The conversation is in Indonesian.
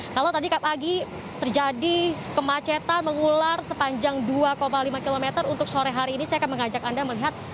kalau tadi pagi terjadi kemacetan mengular sepanjang dua lima km untuk sore hari ini saya akan mengajak anda melihat